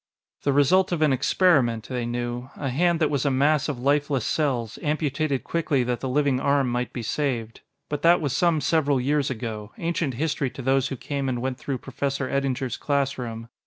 The result of an experiment, they knew a hand that was a mass of lifeless cells, amputated quickly that the living arm might be saved but that was some several years ago, ancient history to those who came and went through Professor Eddinger's class room.